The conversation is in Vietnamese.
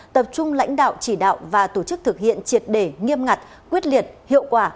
tập trung lãnh đạo chỉ đạo và tổ chức thực hiện triệt để nghiêm ngặt quyết liệt hiệu quả